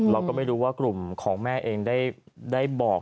เราก็ไม่รู้ว่ากลุ่มของแม่เองได้บอก